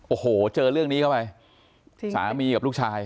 โอ้โหเจอเรื่องนี้เข้าไปสามีกับลูกชาย